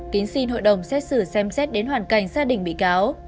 tín xin hội đồng xét xử xem xét đến hoàn cảnh gia đình bị cáo